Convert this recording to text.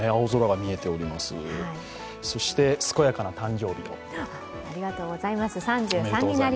そして健やかな誕生日を。